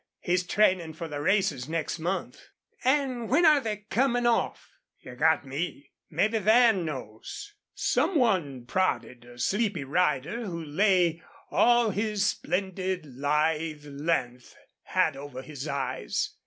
He's trainin' for the races next month." "An' when air they comin' off?" "You got me. Mebbe Van knows." Some one prodded a sleepy rider who lay all his splendid lithe length, hat over his eyes.